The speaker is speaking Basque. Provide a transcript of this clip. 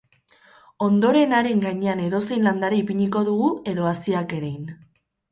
Ondoren haren gainean edozein landare ipiniko dugu edo haziak erein.